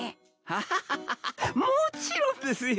ハハハハもちろんですよ。